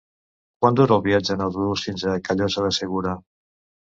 Quant dura el viatge en autobús fins a Callosa de Segura?